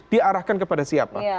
diarahkan kepada siapa